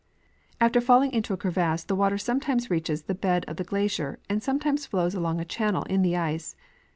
After falling into a crevasse the water sometimes reaches the bed of the glacier and sometimes flows along a channel in the ice.